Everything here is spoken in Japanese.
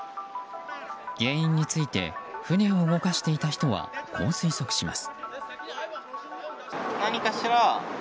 原因について船を動かしていた人はこう推測します。